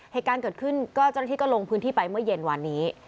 เหตุการณ์เกิดขึ้นก็เจ้าหน้าที่ก็ลงพื้นที่ไปเมื่อเย็นวันนี้